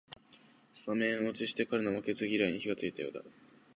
スタメン落ちして彼の負けず嫌いに火がついたようだ